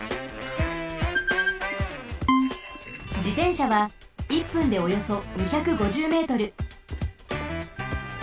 じてんしゃは１分でおよそ２５０ｍ。